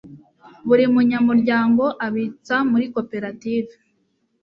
buri munyamuryango abitsa muri koperative